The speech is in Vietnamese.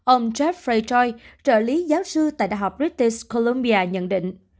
ông jeffrey choi trợ lý giáo sư tại đh british columbia nhận định